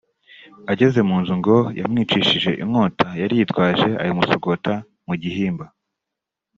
Ageze mu nzu ngo yamwicishije inkota yari yitwaje ayimusogota mu gihimba